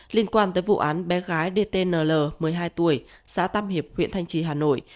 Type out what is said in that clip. liên quan tới vụ án bé gái dtnl một mươi hai tuổi xã tam hiệp huyện thanh trì hà nội